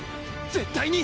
絶対に！